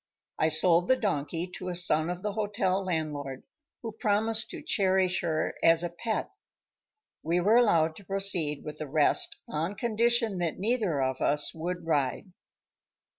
I sold the donkey to a son of the hotel landlord, who promised to cherish her as a pet. We were allowed to proceed with the rest on condition that neither of us would ride.